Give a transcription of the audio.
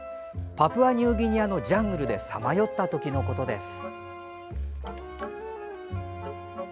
パプアニューギニアのジャングルでさまよった時のことです。